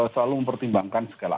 selalu mempertimbangkan segala